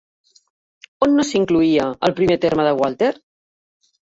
On no s'incloïa el primer terme de Gualter?